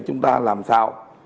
chúng ta làm sao